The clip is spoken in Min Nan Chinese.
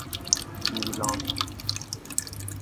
麋鹿